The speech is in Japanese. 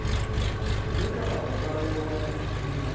目から逃れようがないっていうかな